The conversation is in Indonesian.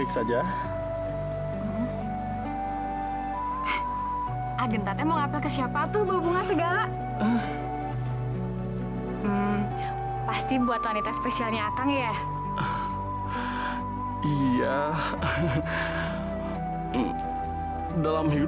sampai jumpa di video selanjutnya